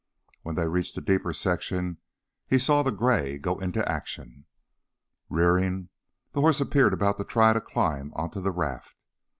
When they reached the deeper section he saw the gray go into action. Rearing, the horse appeared about to try to climb onto the raft.